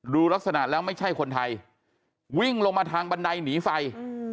ดูลักษณะแล้วไม่ใช่คนไทยวิ่งลงมาทางบันไดหนีไฟ